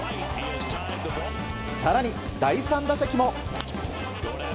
更に、第３打席も。